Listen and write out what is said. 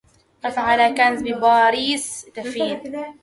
قف على كنز بباريس دفين